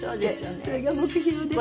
それが目標です。